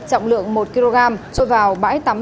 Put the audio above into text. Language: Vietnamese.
trọng lượng một kg trôi vào bãi tắm